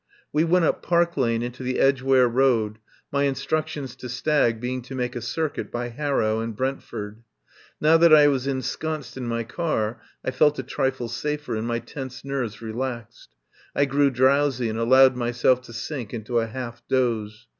We went up Park Lane into the Edgeware Road, my instructions to Stagg being to make a circuit by Harrow and Brentford. Now that I was ensconced in my car I felt a trifle safer, and my tense nerves relaxed. I grew drowsy and allowed myself to sink into a half doze.